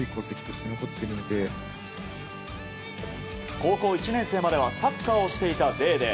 高校１年生まではサッカーをしていたデーデー。